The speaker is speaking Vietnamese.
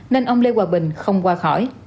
nên ông lê hòa bình không qua khỏi